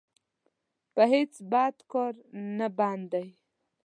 په هېڅ بد کار نه بند دی.